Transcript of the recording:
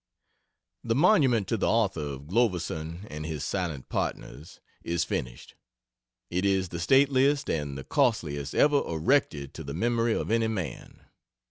The monument to the author of "Gloverson and His Silent partners" is finished. It is the stateliest and the costliest ever erected to the memory of any man.